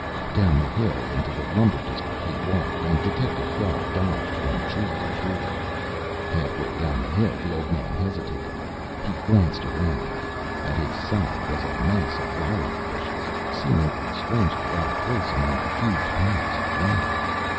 Down the hill into the lumber district he walked, and Detective Gubb dodged from tree to tree. Halfway down the hill the old man hesitated. He glanced around. At his side was a mass of lilac bushes, seeming strangely out of place among the huge piles of lumber.